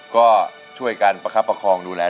ก็ช่วยกันประคับประคองดูแล